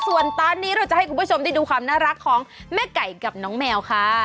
ส่วนตอนนี้เราจะให้คุณผู้ชมได้ดูความน่ารักของแม่ไก่กับน้องแมวค่ะ